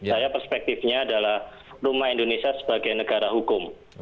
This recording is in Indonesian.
saya perspektifnya adalah rumah indonesia sebagai negara hukum